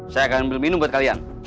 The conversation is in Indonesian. saya akan ambil minum buat kalian